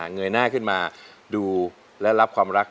เงยหน้าขึ้นมาดูและรับความรัก